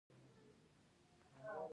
راسه زه دي هر وخت يادومه اخ د زړه سره .